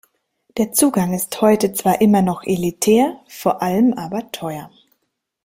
Der Zugang ist heute zwar immer noch elitär, vor allem aber teuer.